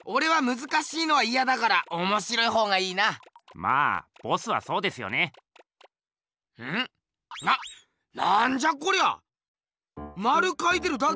まるかいてるだけ？